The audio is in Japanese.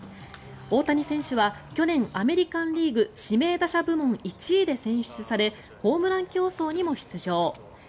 大谷選手は去年アメリカン・リーグ指名打者部門１位で選出されホームラン競争にも出場。